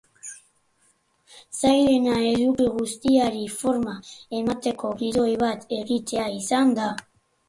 Zailena eduki guztiari forma emateko gidoi bat egitea izan da.